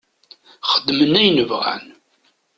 Xeddmen ayen bɣan.